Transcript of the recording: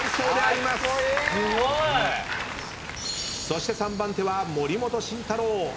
そして３番手は森本慎太郎。